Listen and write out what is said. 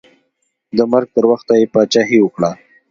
د مرګ تر وخته یې پاچاهي وکړه.